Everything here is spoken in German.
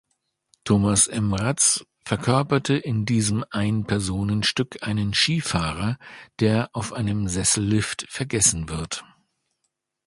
Thomas Mraz verkörperte in diesem Einpersonenstück einen Skifahrer, der auf einem Sessellift vergessen wird.